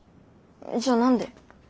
じゃ何で？